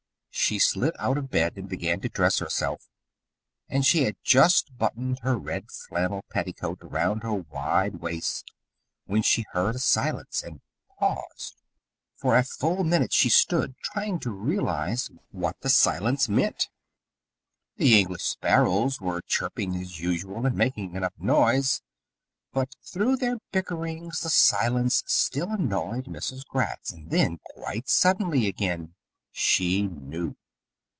She slid out of bed and began to dress herself, and she had just buttoned her red flannel petticoat around her wide waist when she heard a silence, and paused. For a full minute she stood, trying to realize what the silence meant. The English sparrows were chirping as usual and making enough noise, but through their bickerings the silence still annoyed Mrs. Gratz, and then, quite suddenly again, she knew.